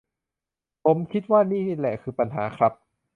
ผมคิดว่านี่แหละคือปัญหาครับ